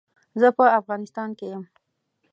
زه په افغانيستان کې يم.